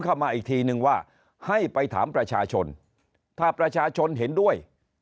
เข้ามาอีกทีนึงว่าให้ไปถามประชาชนถ้าประชาชนเห็นด้วย